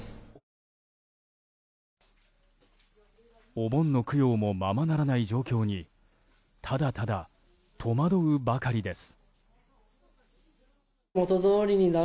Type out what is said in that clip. お盆の供養もままならない状況にただただ戸惑うばかりです。